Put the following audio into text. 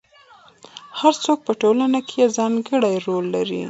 هر څوک په ټولنه کې یو ځانګړی رول لري.